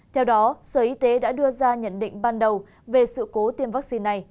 theo đó sở y tế đã đưa ra nhận định ban đầu về sự cố tiêm vaccine này